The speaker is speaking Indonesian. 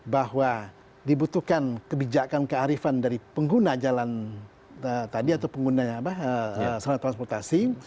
bahwa dibutuhkan kebijakan kearifan dari pengguna jalan tadi atau pengguna sarana transportasi